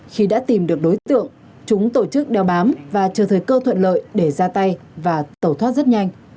khi đã tìm được đối tượng chúng tổ chức đeo bám và chờ thời cơ thuận lợi để ra tay và tẩu thoát rất nhanh